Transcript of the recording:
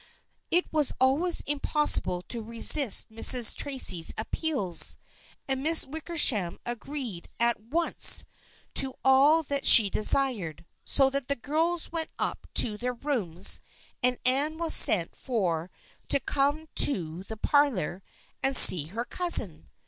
It was always impossible to resist Mrs. Tracy's appeals, and Miss Wickersham agreed at once to all that she desired, so the girls went up to their rooms and Anne was sent for to come to the parlor and see her cousin.